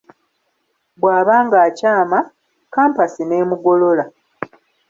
Bw'aba ng'akyama, kampasi n'emugolola.